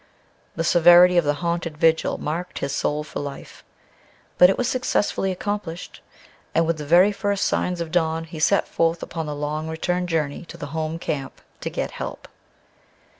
The severity of the haunted vigil marked his soul for life; but it was successfully accomplished; and with the very first signs of dawn he set forth upon the long return journey to the home camp to get help.